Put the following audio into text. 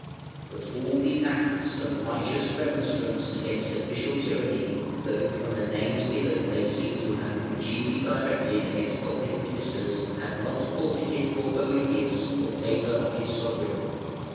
But all these acts of righteous remonstrance against official tyranny, though from the names given they seem to have been chiefly directed against Gothic ministers, had not forfeited for Boëthius the favour of his sovereign.